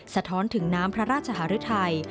สะท้อนถึงน้ำพระราชหารุทัย